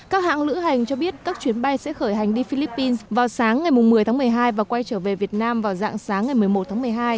các hãng lữ hành cho biết các chuyến bay sẽ khởi hành đi philippines vào sáng ngày một mươi tháng một mươi hai và quay trở về việt nam vào dạng sáng ngày một mươi một tháng một mươi hai